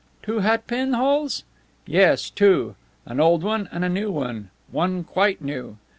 "Two hat pin holes?" "Yes, two. An old one and a new one. One quite new.